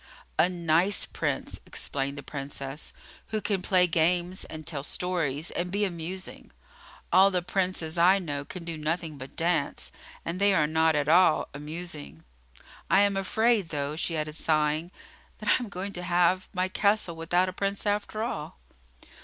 "A nice Prince," explained the Princess, "who can play games and tell stories and be amusing. All the Princes I know can do nothing but dance, and they are not at all amusing. I am afraid, though," she added, sighing, "that I am going to have my castle without a Prince, after all."